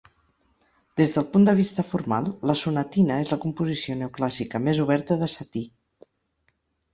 Des del punt de vista formal, la sonatina és la composició neoclàssica més oberta de Satie.